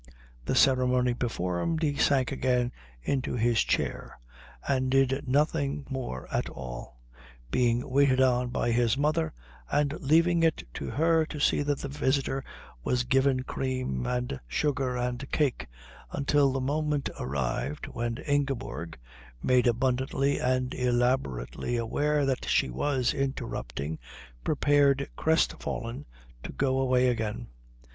The ceremony performed he sank again into his chair and did nothing more at all, being waited on by his mother and leaving it to her to see that the visitor was given cream and sugar and cake, until the moment arrived when Ingeborg, made abundantly and elaborately aware that she was interrupting, prepared crest fallen to go away again.